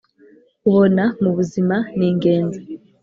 ubona mubuzima ningenzi